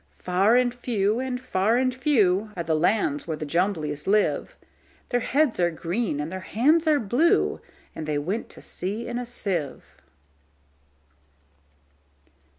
Far and few, far and few, Are the lands where the Jumblies live:Their heads are green, and their hands are blue; And they went to sea in a sieve.